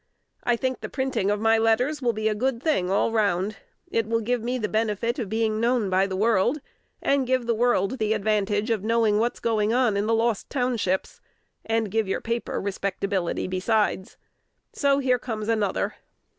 I think the printing of my letters will be a good thing all round, it will give me the benefit of being known by the world, and give the world the advantage of knowing what's going on in the Lost Townships, and give your paper respectability besides. So here comes another.